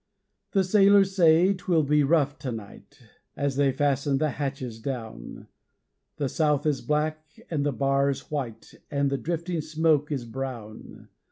..... The sailors say 'twill be rough to night, As they fasten the hatches down, The south is black, and the bar is white, And the drifting smoke is brown.